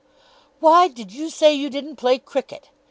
"Why did you say you didn't play cricket?"